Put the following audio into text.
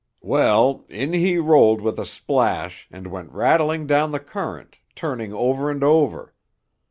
"Well, in he rolled with a splash and went rattling down the current, turning over and over.